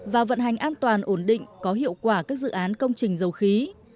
và vận hành an toàn ổn định có hiệu quả các dự án công trình dầu khí